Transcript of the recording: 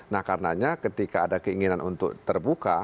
nah karenanya ketika ada keinginan untuk terbuka